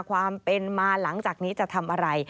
ความเป็นมาหลังจากนี้จะทำอะไร